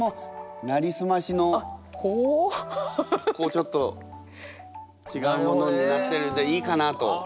ちょっと違うものになってるんでいいかなと。